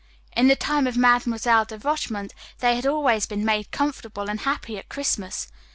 In the time of Mademoiselle de Rochemont they had always been made comfortable and happy at Christmas.